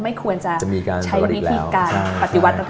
ไม่ควรจะใช้นิศิกาปฏิวัติภาพประฮาล